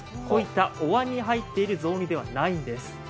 こういったおわんに入っている雑煮ではないんです。